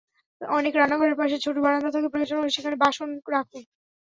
অনেক রান্নাঘরের পাশে ছোট বারান্দা থাকে, প্রয়োজন হলে সেখানে বাসন রাখুন।